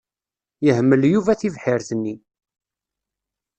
Yehmel Yuba tibḥirt-nni.